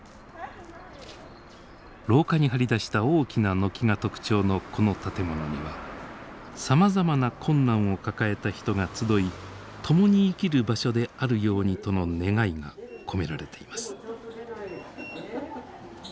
廊下に張り出した大きな軒が特徴のこの建物にはさまざまな困難を抱えた人が集い共に生きる場所であるようにとの願いが込められています。